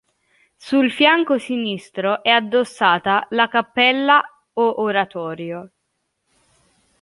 Sul fianco sinistro è addossata la cappella o oratorio.